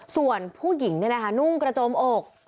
ส่วนผู้หญิงน์เนี่ยหน้านวงกระจมอก